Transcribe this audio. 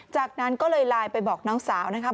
จากนั้นก็เลยไลน์ไปบอกน้องสาวนะครับ